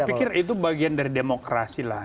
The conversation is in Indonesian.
saya pikir itu bagian dari demokrasi lah